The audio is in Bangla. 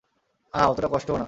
আহ, অতটা কষ্টও না।